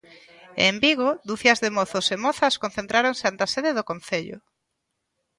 E en Vigo, ducias de mozos e mozas concentráronse ante a sede do Concello.